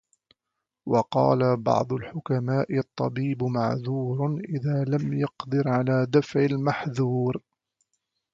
وَقَالَ بَعْضُ الْحُكَمَاءِ الطَّبِيبُ مَعْذُورٌ ، إذَا لَمْ يَقْدِرْ عَلَى دَفْعِ الْمَحْذُورِ